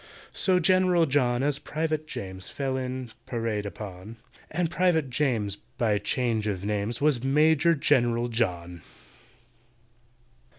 So GENERAL JOHN as PRIVATE JAMES Fell in, parade upon; And PRIVATE JAMES, by change of names, Was MAJOR GENERAL JOHN.